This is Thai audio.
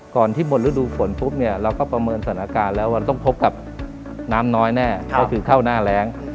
ก่อนที่บนฤดูฝนปุ๊บเราก็ประเมินสถานะการณ์แล้วว่าต้องพบกับน้ำน้อยแน่ก็คือเฝ้าหน้าแรง